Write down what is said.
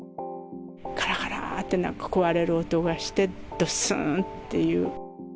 がらがらって、なんか壊れる音がして、どすんっていう。